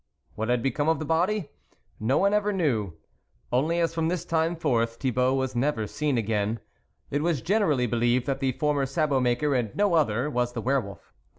What had become of the body ? No one ever knew. Only as from this time forth Thibault was never seen again, it was generally believed that the former sabot maker and no other was the were wolf.